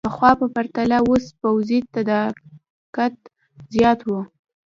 د پخوا په پرتله اوس پوځي تدارکات زیات وو.